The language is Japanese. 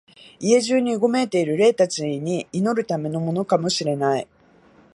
家中にうごめいている霊たちに祈るためのものかも知れない、